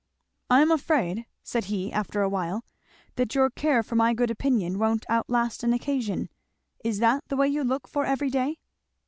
"I am afraid," said he after a while, "that your care for my good opinion won't outlast an occasion. Is that the way you look for every day?"